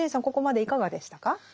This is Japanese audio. ここまでいかがでしたか？